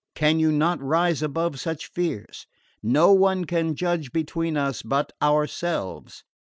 Can you not rise above such fears? No one can judge between us but ourselves."